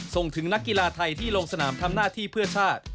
ส่งถึงนักกีฬาไทยที่ลงสนามทำหน้าที่เพื่อชาติ